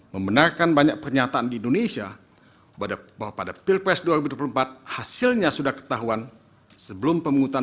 membenarkan banyak pernyataan di indonesia bahwa pada pilpres dua ribu dua puluh empat hasilnya sudah ketahuan sebelum pemungutan